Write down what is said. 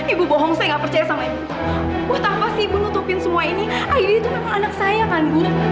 ibu bohong saya nggak percaya sama itu buat apa sih bu nutupin semua ini aida itu anak saya kan